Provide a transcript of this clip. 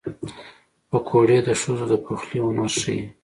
پکورې د ښځو د پخلي هنر ښيي